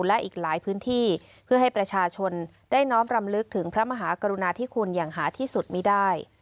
และอีกหลายพื้นที่เพื่อให้ประชาชนได้น้อมรำลึกถึงพระมหากรุณาธิคุณอย่างหาที่สุดไม่ได้